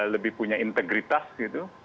lebih punya integritas gitu